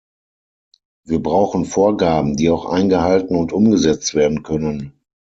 Wir brauchen Vorgaben, die auch eingehalten und umgesetzt werden können.